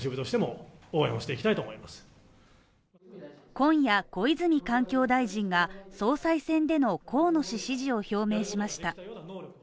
今夜、小泉環境大臣が総裁選での河野氏支持を表明しました。